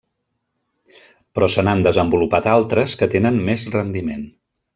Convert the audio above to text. Però se n'han desenvolupat altres que tenen més rendiment.